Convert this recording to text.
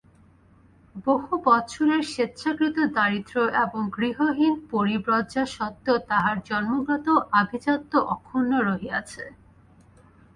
বহু বৎসরের স্বেচ্ছাকৃত দারিদ্র্য এবং গৃহহীন পরিব্রজ্যা সত্ত্বেও তাঁহার জন্মগত আভিজাত্য অক্ষুণ্ণ রহিয়াছে।